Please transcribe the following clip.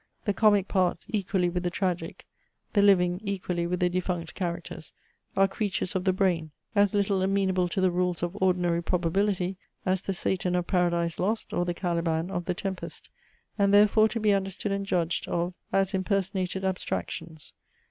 The comic parts, equally with the tragic; the living, equally with the defunct characters, are creatures of the brain; as little amenable to the rules of ordinary probability, as the Satan Of PARADISE LOST, or the Caliban of THE TEMPEST, and therefore to be understood and judged of as impersonated abstractions.